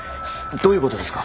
どういうことですか？